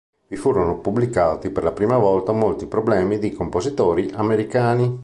Vi furono pubblicati per la prima volta molti problemi di compositori americani.